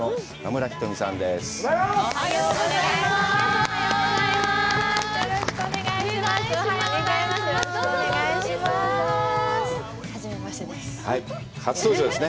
よろしくお願いします。